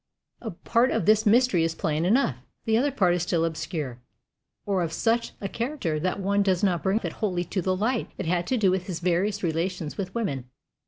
A part of this mystery is plain enough. The other part is still obscure or of such a character that one does not care to bring it wholly to the light. It had to do with his various relations with women.